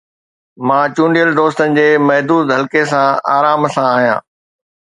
مان چونڊيل دوستن جي محدود حلقي سان آرام سان آهيان.